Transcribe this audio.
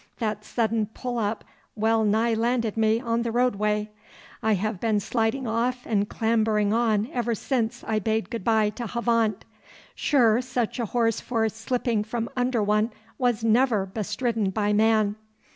That sudden pull up well nigh landed me on the roadway. I have been sliding off and clambering on ever since I bade goodbye to Havant. Sure, such a horse for slipping from under one was never bestridden by man.